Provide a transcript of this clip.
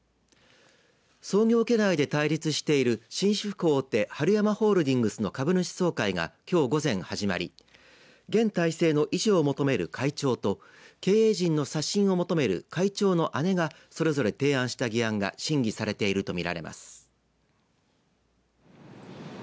創業家内で対立している紳士服大手はるやまホールディングスの株主総会が、きょう午前始まり現体制の維持を求める会長と経営陣の刷新を求める会長の姉がそれぞれ提案した議案が審議されていると見られます。